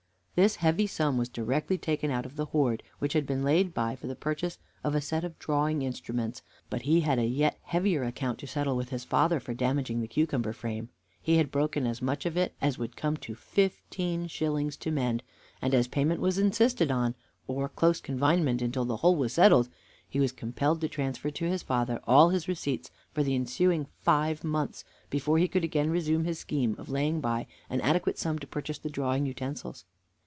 This heavy sum was directly taken out of the hoard which had been laid by for the purchase of a set of drawing instruments, but he had a yet heavier account to settle with his father for damaging the cucumber frame. He had broken as much of it as would come to fifteen shillings to mend, and as payment was insisted on, or close confinement until the whole was settled, he was compelled to transfer to his father all his receipts for the ensuing five months before he could again resume his scheme of laying by an adequate sum to purchase the drawing utensils.